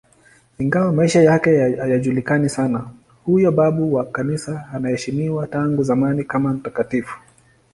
Ingawa maisha yake hayajulikani sana, huyo babu wa Kanisa anaheshimiwa tangu zamani kama mtakatifu.